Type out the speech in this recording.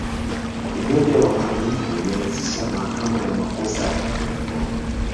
umoja wa mataifa ulianzisha mahakama ya makosa ya jinai